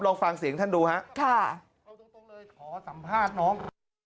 ลองฟังเสียงท่านดูนะครับค่ะเอาตรงเลยขอสัมภาษณ์น้อง